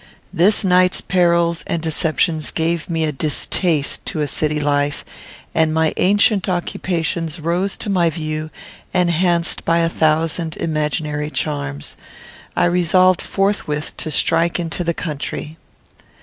This night's perils and deceptions gave me a distaste to a city life, and my ancient occupations rose to my view enhanced by a thousand imaginary charms, I resolved forthwith to strike into the country.